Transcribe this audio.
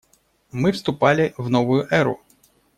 Мы вступали в новую эру.